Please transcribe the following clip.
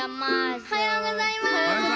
おはようございます！